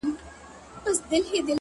زلفي راټال سي گراني !